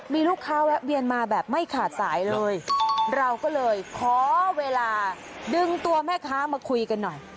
มีลูกค้าแวะเวียนมาแบบไม่ขาดสายเลยเราก็เลยขอเวลาดึงตัวแม่ค้ามาคุยกันหน่อย